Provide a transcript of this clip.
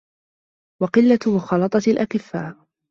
وَقِلَّةُ مُخَالَطَةِ الْأَكْفَاءِ